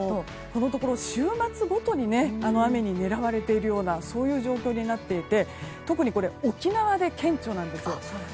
このところ週末ごとに雨に狙われているようなそういう状況になっていて特に沖縄で顕著なんです。